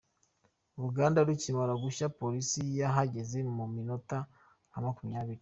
uruganda rukimara gushya Polisi yahageze mu minota nka makumyabiri.